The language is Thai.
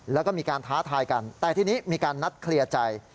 แล้วก็มีการท้าทายกันแต่ทีนี้มีการนัดเคลียร์ใจ